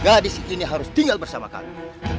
gadis ini harus tinggal bersama kami